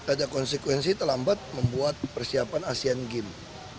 ada konsekuensi terlambat membuat persiapan asean games